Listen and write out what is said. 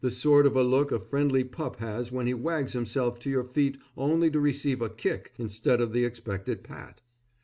The sort of a look a friendly pup has when he wags himself to your feet only to receive a kick instead of the expected pat.